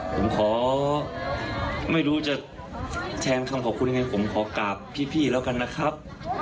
ผมขอไม่รู้จะแทนคำขอบคุณยังไงผมขอกราบพี่แล้วกันนะครับ